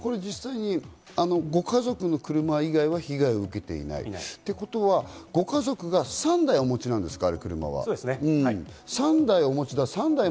ご家族の車以外は被害を受けていない、ということは、ご家族が３台お持ちなんですか？